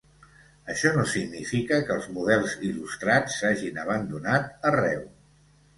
Això no significa que els models il·lustrats s'hagin abandonat arreu.